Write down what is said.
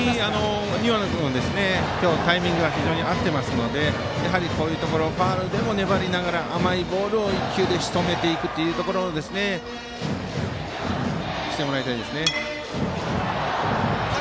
庭野君は非常にタイミングが合っていますのでこういうところファウルでも粘りながら甘いボールを１球でしとめてもらいたいですね。